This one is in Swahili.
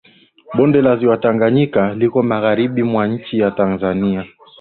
Bonde la Ziwa Tanganyika liko Magharibi mwa nchi ya Tanzania